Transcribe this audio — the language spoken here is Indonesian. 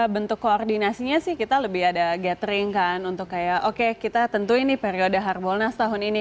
bentuk koordinasinya sih kita lebih ada gathering kan untuk kayak oke kita tentu ini periode harbolnas tahun ini